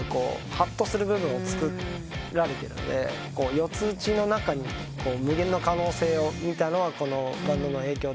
はっとする部分をつくられてるので４つ打ちの中に無限の可能性を見たのはこのバンドの影響。